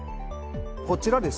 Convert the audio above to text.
こちらですね